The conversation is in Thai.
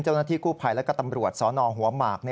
เจ้าหน้าที่กู้ภัยและก็ตำรวจสนหัวหมาก